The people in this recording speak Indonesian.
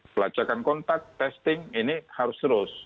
pelacakan kontak testing ini harus terus